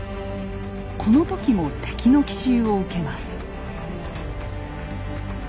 この時も敵の奇襲を受けます。